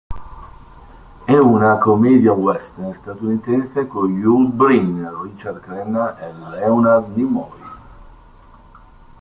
È una commedia western statunitense con Yul Brynner, Richard Crenna e Leonard Nimoy.